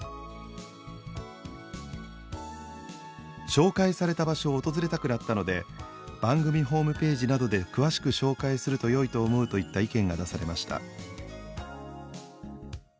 「紹介された場所を訪れたくなったので番組ホームページなどで詳しく紹介するとよいと思う」といった意見が出されました。